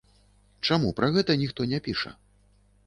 Чаму пра гэта ніхто не піша?